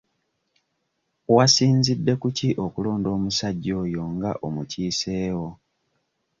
Wasinzidde ku ki okulonda omusajja oyo nga omukiisewo?